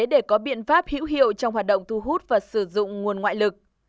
để có biện pháp hữu hiệu trong hoạt động thu hút và sử dụng nguồn ngoại lực